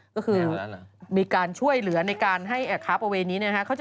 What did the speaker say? ก็คือมีการช่วยเหลือในการให้ค้าประเวณนี้นะฮะ